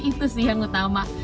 itu sih yang utama